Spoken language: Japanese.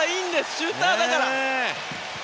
シューターだから。